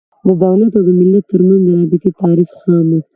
د دولت او ملت تر منځ د رابطې تعریف خام و.